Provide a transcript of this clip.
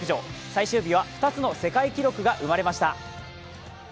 最終日は２つの世界記録が生まれました。